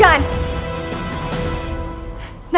mampus kau kau